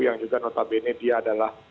yang juga notabene dia adalah